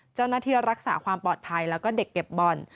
เจ้าหน้าที่รักษาความปลอดภัยแล้วก็เด็กเก็บบ่อน